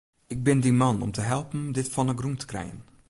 Ik bin dyn man om te helpen dit fan 'e grûn te krijen.